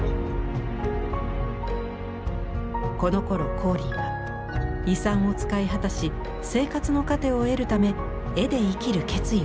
このころ光琳は遺産を使い果たし生活の糧を得るため絵で生きる決意をしました。